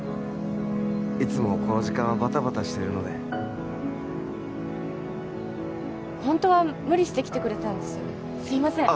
いつもこの時間はバタバタしてるのでホントは無理して来てくれたんですよねすいません